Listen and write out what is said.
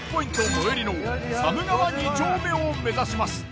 最寄りの寒川二丁目を目指します。